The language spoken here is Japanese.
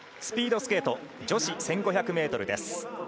スピードスケート女子１５００ｍです。